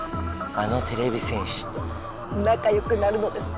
あのてれび戦士となかよくなるのです！